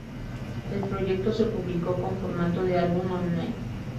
El proyecto se publicó con formato de álbum "online".